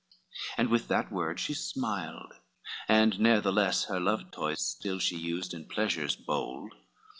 XXIII And with that word she smiled, and ne'ertheless Her love toys still she used, and pleasures bold!